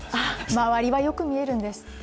周りはよく見えるんです。